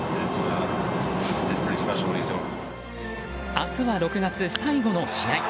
明日は６月最後の試合。